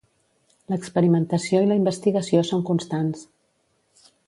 L'experimentació i la investigació són constants.